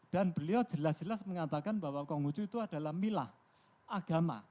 dan beliau jelas jelas mengatakan bahwa konghucu itu adalah milah agama